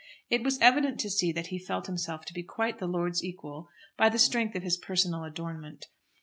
It was evident to see that he felt himself to be quite the lord's equal by the strength of his personal adornment.